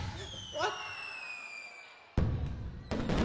あっ。